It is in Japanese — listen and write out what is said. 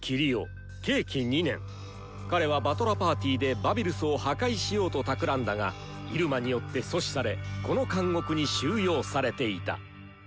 彼は師団披露でバビルスを破壊しようとたくらんだが入間によって阻止されこの監獄に収容されていた。